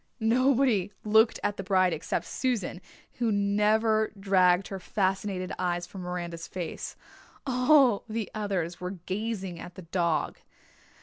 Nobody looked at the bride except Susan, who never dragged her fascinated eyes from Miranda's face all the others were gazing at the dog.